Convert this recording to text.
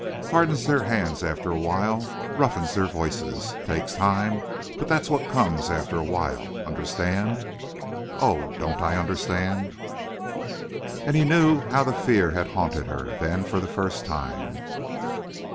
Hardens their hands after a while. Roughens their voices. Takes time, but that's what comes after a while. Understand?" "Oh, don't I understand!" And he knew how the fear had haunted her, then, for the first time.